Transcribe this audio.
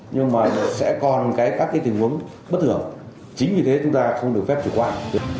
nhưng mà sẽ còn các tình huống bất thường chính vì thế chúng ta không được phép chủ quan